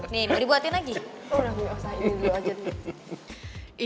nih mau dibuatin lagi